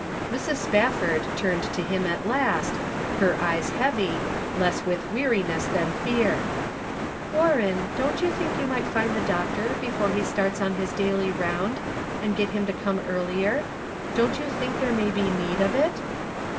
Mrs. Spafford turned to him at last, her eyes heavy, less with weariness than fear : Measured ly Trial. 349 " Warren, don't you think you might find the doctor before he starts on his daily round, and get him to come earlier ; Don't you think there may be need of it